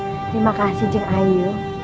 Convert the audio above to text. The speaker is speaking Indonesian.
terima kasih jeng ayu